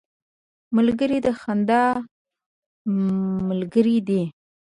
ملګری د خندا ملګری دی